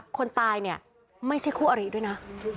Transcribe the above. คนตายเนี่ยไม่ใช่คู่อริด้วยนะ